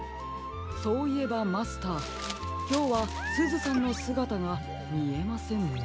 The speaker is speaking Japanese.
そういえばマスターきょうはすずさんのすがたがみえませんね。